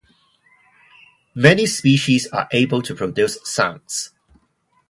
Many species are able to produce sounds.